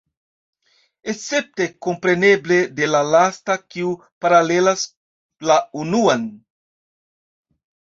Escepte, kompreneble, de la lasta, kiu paralelas la unuan.